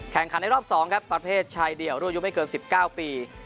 แข่งขันในรอบสองครับประเภทชายเดี่ยวรวมยุ่งไม่เกินสิบเก้าปี